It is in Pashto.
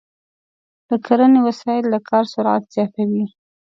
د کرنې وسایل د کار سرعت زیاتوي.